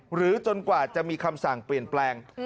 จนกว่าจะมีคำสั่งเปลี่ยนแปลง